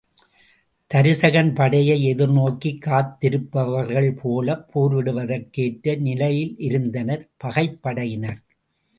தருசகன் படையை எதிர்நோக்கி காத்திருப்பவர்கள் போலப் போரிடுவதற்கு ஏற்ற நிலையிலிருந்தனர் பகைப் படையினர்.